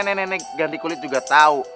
nenek nenek ganti kulit juga tahu